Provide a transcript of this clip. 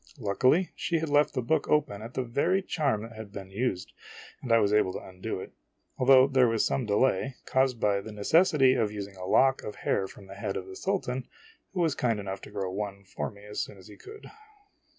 Luckily, she had left the book open at the very charm that had been used, and I was able to undo it ; though there was some delay, caused by the necessity of using a lock of hair from the head of the Sultan, who was kind enough to grow one for me as soon as he could.